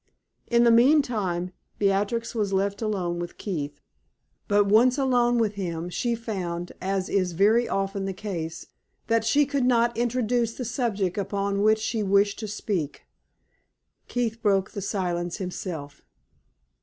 In the meantime, Beatrix was left alone with Keith; but once alone with him, she found, as is very often the case, that she could not introduce the subject upon which she wished to speak. Keith broke the silence himself.